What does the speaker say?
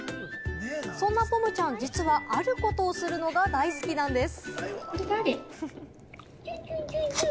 そんなポムちゃん、実はあることをするのが大好きなんです。